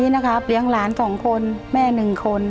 ทุกวันนี้นะครับเลี้ยงหลานสองคนแม่หนึ่งคน